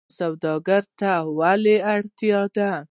سوداګرۍ ته ولې اړتیا ده؟